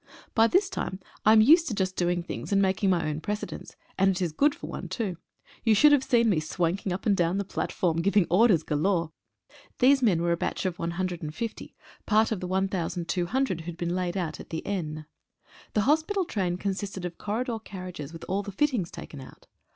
By this I am used to just doing things and making my own precedents, and it is good for one too. You should have seen me swanking up and down the platform, giving orders galore! These men were a batch of 150, part of 1,200 who had been laid out at the Aisne. The hospital train consisted of corridor carriages with all the fittings taken out.